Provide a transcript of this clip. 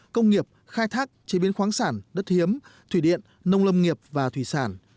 công nghiệp khai thác chế biến khoáng sản đất hiếm thủy điện nông lâm nghiệp và thủy sản